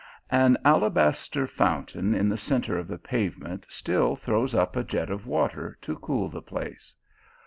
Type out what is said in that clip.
An alabaster fountain in the centre of the pavement still throws up a jet of water to cool the place.